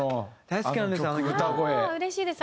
うれしいです！